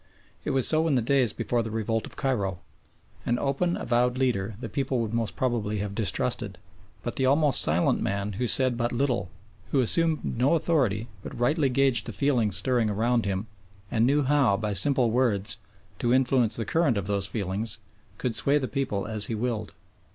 It was so in the days before the revolt of Cairo. An open avowed leader the people would most probably have distrusted, but the almost silent man who said but little, who assumed no authority but rightly gauged the feelings stirring around him and knew how, by simple words, to influence the current of those feelings, could sway the people as he willed.